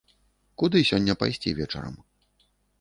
Куды сёння пайсці вечарам?